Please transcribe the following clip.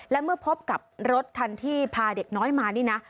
และเมื่อพบกับรถคันที่พาเด็กน้อยมานี่นะ